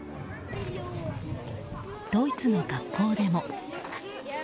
ドイツの学校でも。